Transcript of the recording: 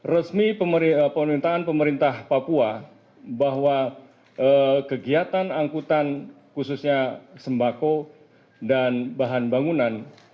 resmi pemerintahan pemerintah papua bahwa kegiatan angkutan khususnya sembako dan bahan bangunan